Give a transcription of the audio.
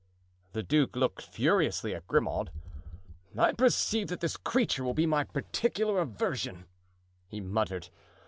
The duke looked furiously at Grimaud. "I perceive that this creature will be my particular aversion," he muttered.